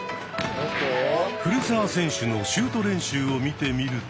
古澤選手のシュート練習を見てみると。